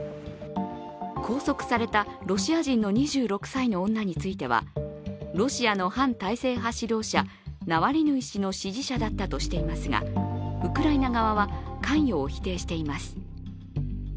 拘束されたロシア人の２６歳の女についてはロシアの反体制派指導者ナワリヌイ氏の支持者だったとしていますが、ウクライナ側は関与を否定しています。